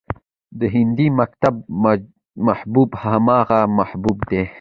د هندي مکتب محبوب همغه محبوبه ده